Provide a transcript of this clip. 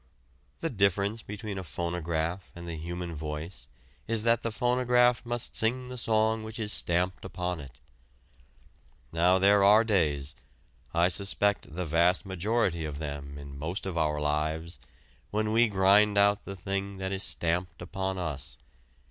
The difference between a phonograph and the human voice is that the phonograph must sing the song which is stamped upon it. Now there are days I suspect the vast majority of them in most of our lives when we grind out the thing that is stamped upon us.